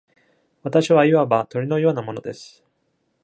私はいわば鳥のようなものです。